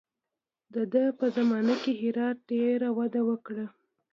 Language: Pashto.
د ده په زمانه کې هرات ډېره وده وکړه.